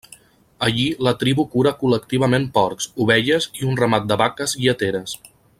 Allí la tribu cura col·lectivament porcs, ovelles i un ramat de vaques lleteres.